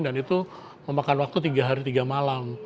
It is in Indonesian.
dan itu memakan waktu tiga hari tiga malam